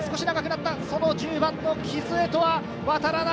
１０番の木津へとは渡らない。